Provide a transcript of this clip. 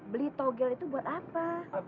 beli togel itu buat apa